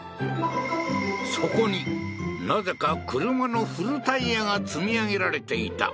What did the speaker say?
そこになぜか車の古タイヤが積み上げられていた